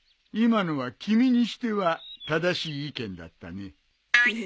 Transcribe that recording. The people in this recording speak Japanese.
今のは君にしては正しい意見だったね。